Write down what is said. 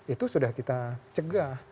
itu sudah kita cegah